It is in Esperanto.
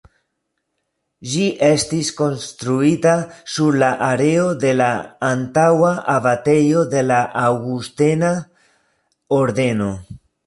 Ĝi estis konstruita sur la areo de la antaŭa abatejo de la aŭgustena ordeno.